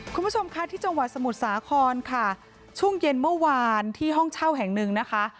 คุณผู้ชมค่ะที่จังหวัดสมุทรสาครค่ะช่วงเย็นเมื่อวานที่ห้องเช่าแห่งหนึ่งนะคะ